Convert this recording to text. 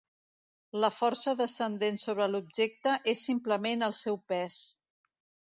La força descendent sobre l'objecte és simplement el seu pes.